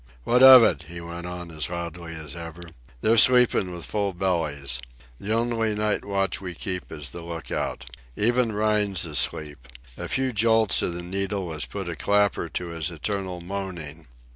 "What of it?" he went on as loudly as ever. "They're sleepin' with full bellies. The only night watch we keep is the lookout. Even Rhine's asleep. A few jolts of the needle has put a clapper to his eternal moanin'.